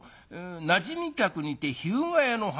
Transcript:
なじみ客にて日向屋の半七』。